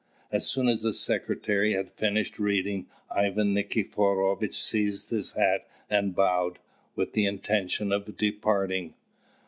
As soon as the secretary had finished reading, Ivan Nikiforovitch seized his hat and bowed, with the intention of departing.